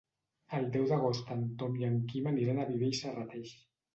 El deu d'agost en Tom i en Quim aniran a Viver i Serrateix.